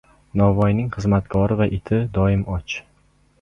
• Novvoyning xizmatkori va iti doim och.